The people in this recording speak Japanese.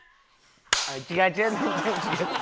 はい違う違う全然違う。